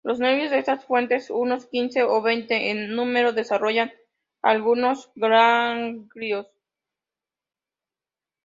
Los nervios de estas fuentes, unos quince o veinte en número, desarrollan algunos ganglios.